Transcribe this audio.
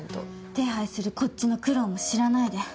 手配するこっちの苦労も知らないで。